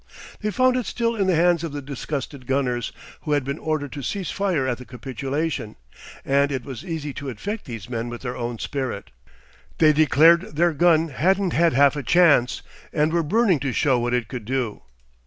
They found it still in the hands of the disgusted gunners, who had been ordered to cease fire at the capitulation, and it was easy to infect these men with their own spirit. They declared their gun hadn't had half a chance, and were burning to show what it could do.